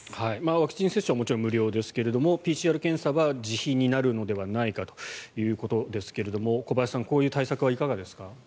ワクチン接種はもちろん無料ですがＰＣＲ検査は自費になるのではないかということですけれども小林さん、こういう対策はいかがですか？